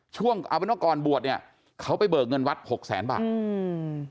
ช่วงเอาเป็นว่าก่อนบวชเนี้ยเขาไปเบิกเงินวัดหกแสนบาทอืม